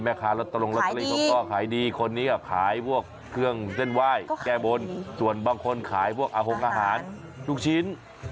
มาต่อก็ขายดีคนนี้ก็ขายพวกเครื่องเส้นไหว้แก้บนส่วนบางคนขายพวกหั้งอาหารทุกชิ้น